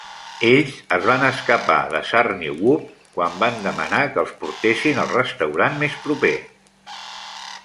Ells es van escapar de Zarniwoop quan van demanar que els portessin al restaurant més proper.